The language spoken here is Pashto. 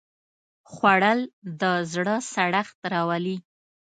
خوړل د زړه سړښت راولي